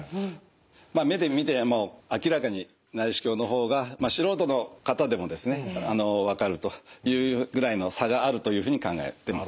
まあ目で見ても明らかに内視鏡の方が素人の方でもですね分かるというぐらいの差があるというふうに考えてます。